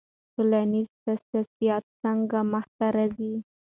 ټولنیز تاسیسات څنګه منځ ته راځي؟